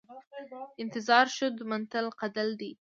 انتظار اشد من القتل دی